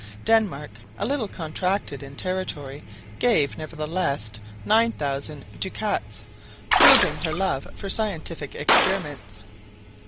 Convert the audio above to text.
Denmark, a little contracted in territory, gave nevertheless 9,000 ducats, proving her love for scientific experiments.